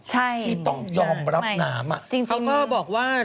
ใช่ที่ต้องยอมรับน้ำอ่ะจริงเขาก็บอกว่า